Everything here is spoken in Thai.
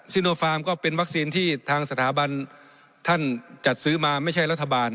โนฟาร์มก็เป็นวัคซีนที่ทางสถาบันท่านจัดซื้อมาไม่ใช่รัฐบาล